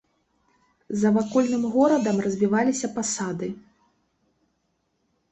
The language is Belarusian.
За вакольным горадам развіваліся пасады.